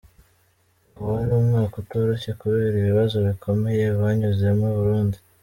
Ngo wari umwaka utoroshye kubera ibibazo bikomeye banyuzemo i Burundi.